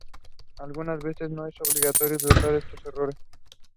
Arthur is single.